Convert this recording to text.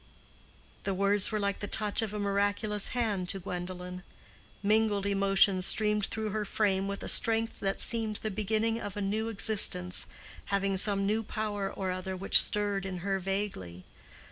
The words were like the touch of a miraculous hand to Gwendolen. Mingled emotions streamed through her frame with a strength that seemed the beginning of a new existence, having some new power or other which stirred in her vaguely.